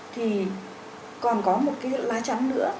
thì còn có một cái lá trắng nữa